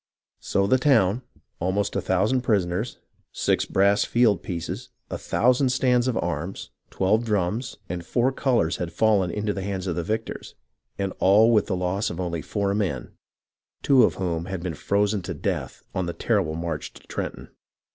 So the town, almost a thousand prisoners, six brass field pieces, a thousand stands of arms, twelve drums, and four colours had fallen into the hands of the victors, and all with the loss of only four men, two of whom had been frozen to death on the terrible march to Trenton.